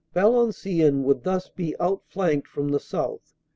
"Valenciennes would thus be outflanked from the south.